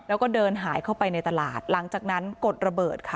แล้วก็เดินหายเข้าไปในตลาดหลังจากนั้นกดระเบิดค่ะ